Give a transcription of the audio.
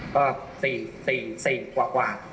ก็๔กว่ากว่า